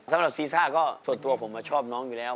สำหรับซีซ่าก็ส่วนตัวผมชอบน้องอยู่แล้ว